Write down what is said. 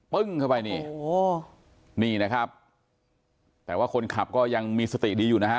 ปึ้งเข้าไปนี่โอ้โหนี่นะครับแต่ว่าคนขับก็ยังมีสติดีอยู่นะฮะ